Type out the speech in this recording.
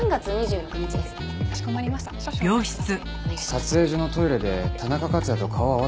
撮影所のトイレで田中克也と顔を合わせましたか？